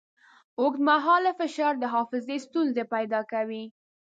اوږدمهاله فشار د حافظې ستونزې پیدا کوي.